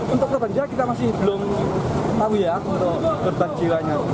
untuk kebanjir kita masih belum tahu ya untuk berbanjiwanya